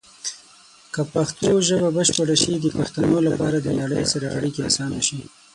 که پښتو ژبه بشپړه شي، د پښتنو لپاره د نړۍ سره اړیکې اسانه شي.